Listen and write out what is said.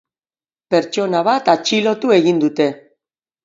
Pertsona bat atxilotu egin dute.